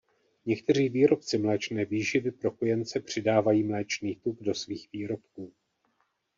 Někteří výrobci mléčné výživy pro kojence přidávají mléčný tuk do svých výrobků.